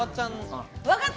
わかった。